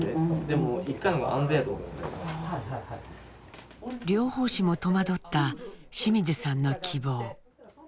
療法士も戸惑った清水さんの希望。